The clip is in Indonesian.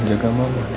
saya sudah mencukupi